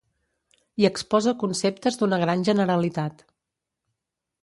Hi exposa conceptes d'una gran generalitat.